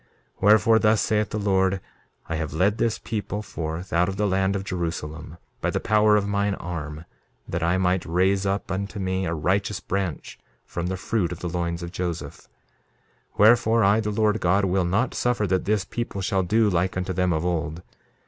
2:25 Wherefore, thus saith the Lord, I have led this people forth out of the land of Jerusalem, by the power of mine arm, that I might raise up unto me a righteous branch from the fruit of the loins of Joseph. 2:26 Wherefore, I the Lord God will not suffer that this people shall do like unto them of old.